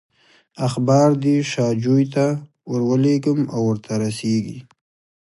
اخبار دې شاجوي ته ورولېږم او ورته رسېږي.